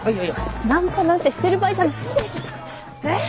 ナンパなんてしてる場合じゃないでしょ。えっ！？